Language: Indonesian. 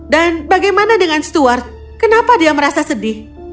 dan bagaimana dengan stuart kenapa dia merasa sedih